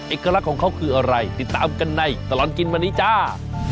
เอกลักษณ์ของเขาคืออะไรติดตามกันในตลอดกินวันนี้จ้า